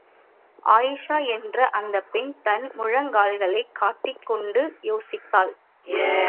அயீஷா என்ற அந்தப் பெண் தன் முழங்கால்களைக் கட்டிக் கொண்டு யோசித்தாள்.